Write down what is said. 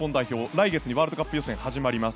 来月ワールドカップ予選が始まります。